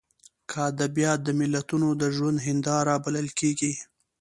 که ادبیات د ملتونو د ژوند هینداره بلل کېږي.